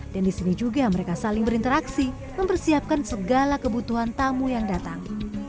dan disini juga mereka saling berinteraksi mempersiapkan segala kebutuhan tamu yang datang